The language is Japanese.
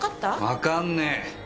わかんねえ。